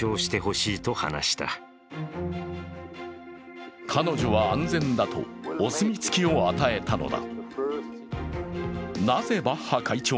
バッハ会長は彼女は安全だとお墨付きを与えたのだ。